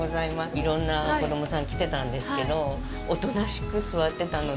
いろんな子供さん来てたんですけどおとなしく座ってたので。